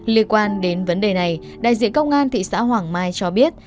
liên quan đến vấn đề này đại diện công an thị xã hoàng mai cho biết